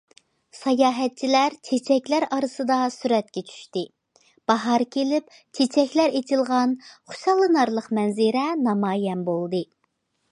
ساياھەتچىلەر چېچەكلەر ئارىسىدا سۈرەتكە چۈشتى، باھار كېلىپ چېچەكلەر ئېچىلغان خۇشاللىنارلىق مەنزىرە نامايان بولدى.